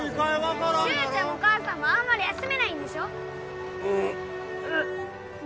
じゃろ脩ちゃんも母さんもあんまり休めないんでしょうっうっ